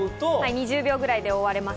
２０秒くらいで覆われます。